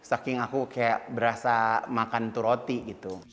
saking aku kayak berasa makan tuh roti gitu